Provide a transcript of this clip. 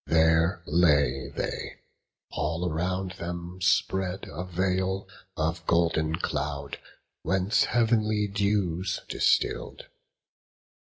There lay they, all around them spread a veil Of golden cloud, whence heav'nly dews distill'd.